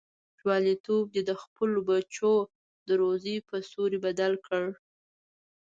جواليتوب دې د خپلو بچو د روزۍ په سوري بدل کړ.